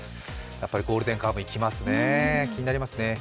やっぱり「ゴールデンカムイ」きますね、気になりますね。